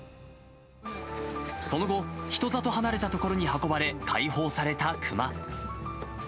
その後、人里離れた所に運ばれ、解放された熊。